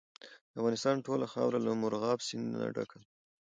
د افغانستان ټوله خاوره له مورغاب سیند ډکه ده.